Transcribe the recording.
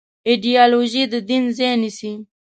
ایدیالوژي د دین ځای نيسي.